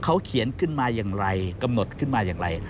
เขาเขียนขึ้นมาอย่างไรกำหนดขึ้นมาอย่างไร